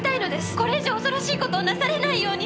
これ以上恐ろしいことをなされないように。